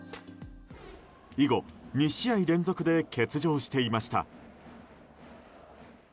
以後、２試合連続で欠場していました。